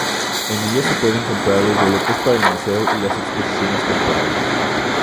En ella se pueden comprar los boletos para el Museo y las exposiciones temporales.